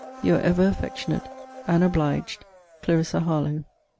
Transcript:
] Your ever affectionate and obliged CLARISSA HARLOWE.